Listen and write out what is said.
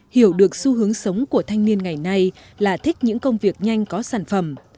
hiểu được xu hướng sống của thanh niên ngày nay là thích những công việc nhanh có sản phẩm